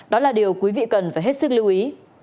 đó là điều quý vị cần phải hết sức lưu ý